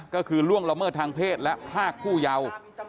ก็คือล่วงละเมิดทางเพศและพรากผู้เยาว์